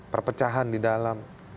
perpecahan di dalam